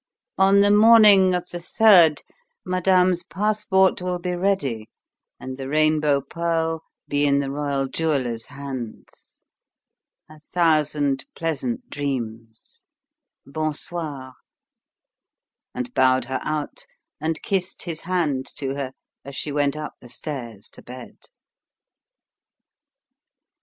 On the morning of the third madame's passport will be ready and the Rainbow Pearl be in the royal jeweller's hands. A thousand pleasant dreams bon soir!" And bowed her out and kissed his hand to her as she went up the stairs to bed.